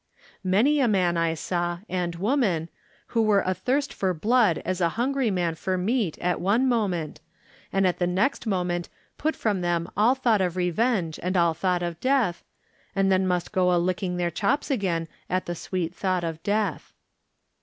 Many a man I saw, and woman, who were athirst for blood as a hungry man for meat at one moment, and at the next moment put from them all thought of revenge and all thought of death, and then must go a licking their chops again at the sweet thought of death.